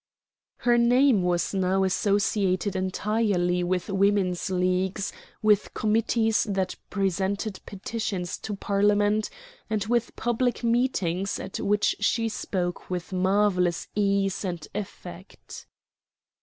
Her name was now associated entirely with Women's Leagues, with committees that presented petitions to Parliament, and with public meetings, at which she spoke with marvellous ease and effect.